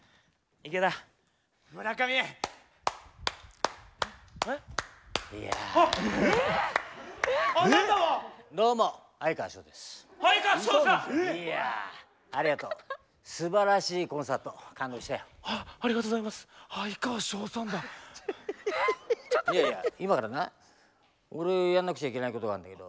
いやいや今からな俺やんなくちゃいけないことがあるんだけど。